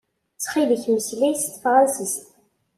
Ttkil-k meslay s tefṛansist.